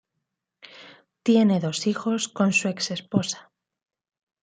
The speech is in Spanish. Le tiene dos hijos con su ex esposa.